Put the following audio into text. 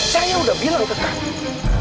saya udah bilang ke kami